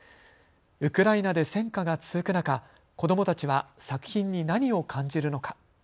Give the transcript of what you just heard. ウクライナで戦火が続く中、子どもたちは作品に何を感じるのか。